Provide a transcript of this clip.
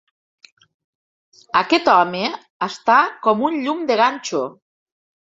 Aquest home està com un llum de ganxo.